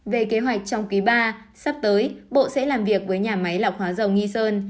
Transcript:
về kế hoạch trong quý ba sắp tới bộ sẽ làm việc với nhà máy lọc hóa dầu nghi sơn